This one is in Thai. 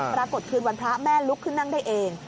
ปรากฏคืนวันพระแม่ลุกขึ้นนั่งได้เอง